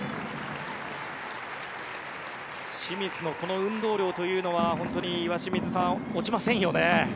清水のこの運動量というのは本当に岩清水さん落ちませんよね。